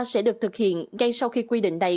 sẽ được thực hiện ngay sau khi quy định này